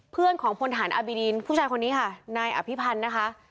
เพื่อนของพลฐานอบิดีนผู้ชายคนนี้ค่ะนายอภิพันธ์นะคะ